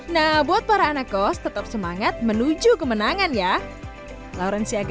nah buat para anak kos tetap semangat menuju kemenangan ya